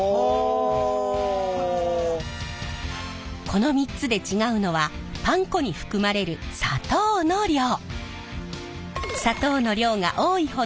この３つで違うのはパン粉に含まれる砂糖の量！